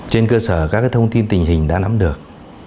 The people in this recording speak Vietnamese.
trên cơ sở các thông tin tình hình đã nắm được